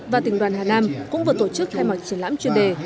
và tỉnh đoàn hà nam cũng vừa tổ chức khai mạc triển lãm chuyên đề